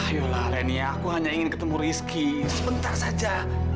ayolah renia aku hanya ingin ketemu rizky sebentar saja